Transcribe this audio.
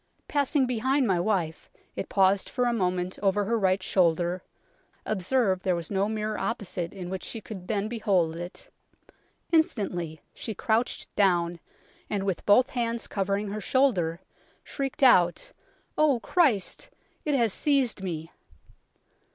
Passing behind my wife, it paused for a moment over her right shoulder (observe there was no mirror opposite in which she could then behold it). Instantly she crouched down, and, with both hands covering her shoulder, shrieked out, ' Oh Christ ! it has seized me.'